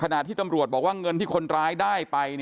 ขณะที่ตำรวจบอกว่าเงินที่คนร้ายได้ไป